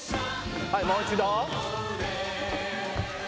はいもう一度。